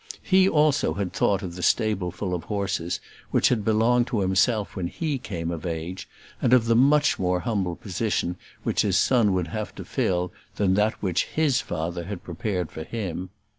He also had thought of the stableful of horses which had belonged to himself when he came of age; and of the much more humble position which his son would have to fill than that which his father had prepared for him.